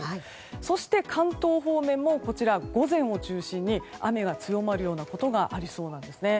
そして関東方面も午前を中心に雨が強まることがありそうなんですね。